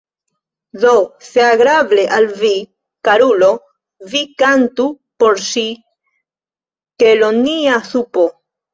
Do, se agrable al vi, karulo, vi kantu por ŝi 'Kelonia Supo’.